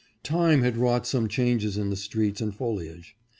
Time had wrought some changes in the trees and foliage.